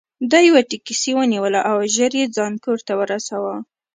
ده یوه ټکسي ونیوله او ژر یې ځان کور ته ورساوه.